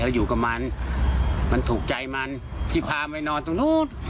ให้เราอยู่กับมันมันถูกใจมันพี่พามานอนตรงนู้น